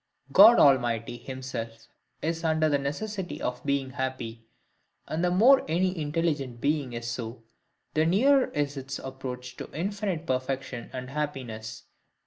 God Almighty himself is under the necessity of being happy; and the more any intelligent being is so, the nearer is its approach to infinite perfection and happiness.